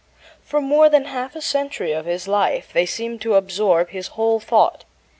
For more than half a century of his life they seemed to absorb his whole thought.